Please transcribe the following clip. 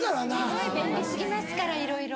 すごい便利過ぎますからいろいろ。